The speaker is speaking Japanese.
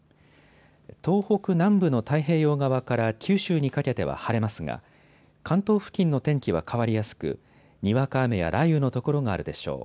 東北南部の太平洋側から九州にかけては晴れますが関東付近の天気は変わりやすくにわか雨や雷雨の所があるでしょう。